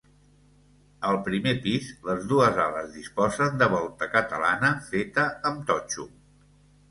Al primer pis, les dues ales disposen de volta catalana feta amb totxo.